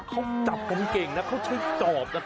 เขาจับกันเก่งนะเขาใช้จอบนะ